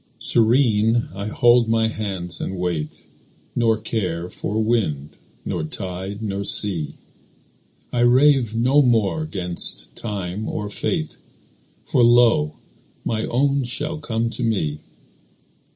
Serene I fold my hands and wait, Nor care for wind, nor tide, nor sea. I rave no more 'gainst time or fate, For lo! my own shall come to me.